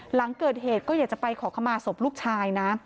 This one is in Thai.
หลังเกิดเหตุก็อยากจะไปขอขมาศพลูกชายนะ